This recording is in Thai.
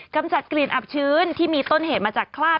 กำจัดกลิ่นอับชื้นที่มีต้นเหตุมาจากคราบ